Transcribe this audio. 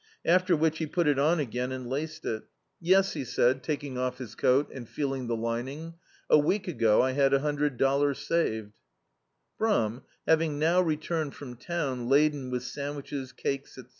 After which he put it on again and laced it. "Yes," he [i2] D,i.,.db, Google A Night*s Ride said, taking off his coat and feeling the lining, "a week ago I had a hiindrcd dollars saved." Brum, having now returned from town laden with sandwiches, cakes, etc.